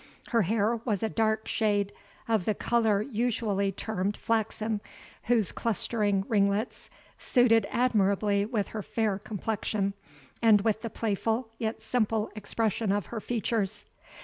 Her hair was a dark shade of the colour usually termed flaxen, whose clustering ringlets suited admirably with her fair complexion, and with the playful, yet simple, expression of her features.